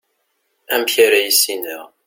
amek ara yissineɣ